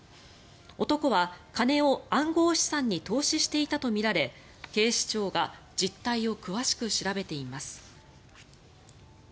男は金を暗号資産に投資していたとみられ警視庁が実態を詳しく調べています。